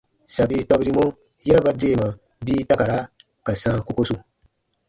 Sabi tɔbirimɔ, yera ba deema bii takara ka sãa kokosu.